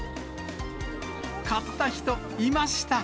買った人、いました。